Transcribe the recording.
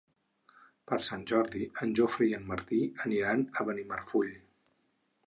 Per Sant Jordi en Jofre i en Martí aniran a Benimarfull.